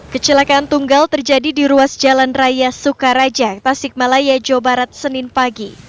kecelakaan tunggal terjadi di ruas jalan raya sukaraja tasik malaya jawa barat senin pagi